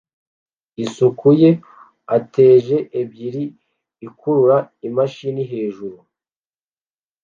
Isuku ya etage ebyiri ikurura imashini hejuru